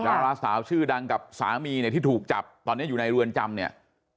คลาสาวชื่อดังกับสามีที่ถูกจับตอนนี้อยู่ในร้วนจำเนี่ย